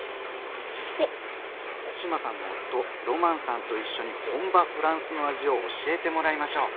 志麻さんの夫ロマンさんと一緒に本場フランスの味を教えてもらいましょう。